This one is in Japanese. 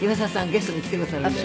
ゲストで来てくださるので。